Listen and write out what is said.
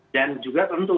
dan juga tentu